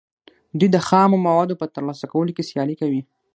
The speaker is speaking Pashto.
دوی د خامو موادو په ترلاسه کولو کې سیالي کوي